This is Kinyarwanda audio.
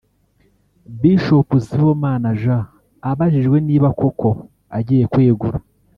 Bishop Sibomana Jean abajijwe niba koko agiye kwegura